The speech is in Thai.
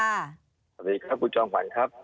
สวัสดีครับคุณจอมขวัญครับ